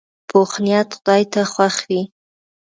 پوخ نیت خدای ته خوښ وي